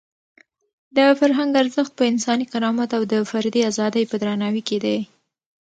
د فرهنګ ارزښت په انساني کرامت او د فردي ازادۍ په درناوي کې دی.